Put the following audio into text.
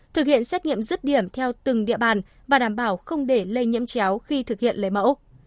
thực hiện xét nghiệm rứt điểm theo từng địa bàn và đảm bảo không để lây nhiễm chéo khi thực hiện lấy mẫu